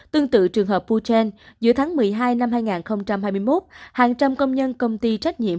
tương tự trường hợp futin giữa tháng một mươi hai năm hai nghìn hai mươi một hàng trăm công nhân công ty trách nhiệm